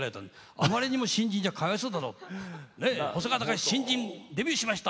あまりにも新人ではかわいそうだろ細川たかし新人でデビューしました